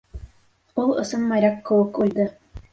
Ул ысын моряк кеүек үлде.